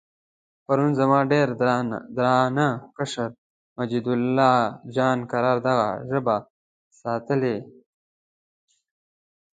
پرون زما ډېر درانه کشر مجیدالله جان قرار دغه ژبه ستایلې.